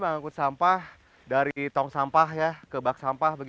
mengangkut sampah dari tong sampah ke bak sampah